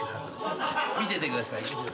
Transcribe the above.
見ててください。